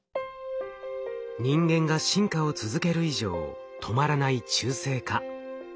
人間が進化を続ける以上止まらない中性化。